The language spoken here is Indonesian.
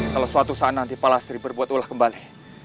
kalau suatu saat nanti pak lastri berbuat olah kembali